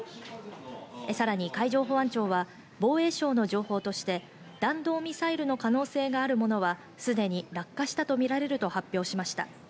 さらに海上保安庁は防衛省の情報として弾道ミサイルの可能性があるものはすでに落下したとみられると発表しました。